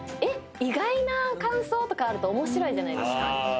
えっ意外な感想とかあると面白いじゃないですか。